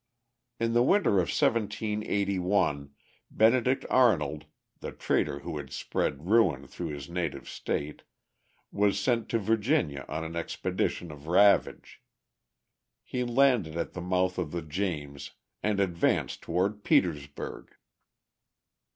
In the winter of 1781, Benedict Arnold, the traitor who had spread ruin through his native state, was sent to Virginia on an expedition of ravage. He landed at the mouth of the James, and advanced toward Petersburg.